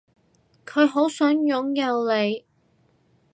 佢好想擁有你